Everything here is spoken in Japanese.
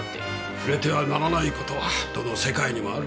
触れてはならない事はどの世界にもある。